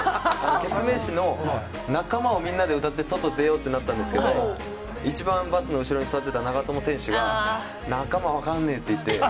ケツメイシの「仲間」をみんなで歌って外に出ようってなったんですけど一番バスの後ろに座ってた長友選手が「仲間」分かんないって言って。